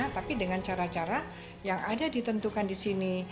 tapi dengan cara cara yang ada ditentukan di sini